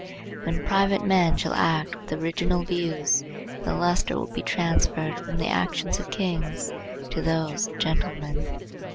When private men shall act with original views, the lustre will be transferred from the actions of kings to those of gentlemen.